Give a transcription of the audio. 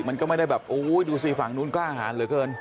มันก็ไม่ได้แบบโอ้ยดูสิฝั่งนู้นกล้าหารเหลือเกิน